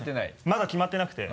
まだ決まってなくて。